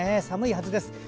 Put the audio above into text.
寒いはずです。